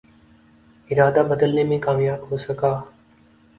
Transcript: ارادہ بدلنے میں کامیاب ہو سکا